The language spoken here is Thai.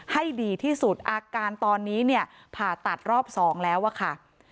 ให้ดีที่สุดอาการตอนนี้เนี่ยผ่าตัดรอบ๒แล้วอะค่ะ